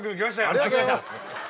ありがとうございます。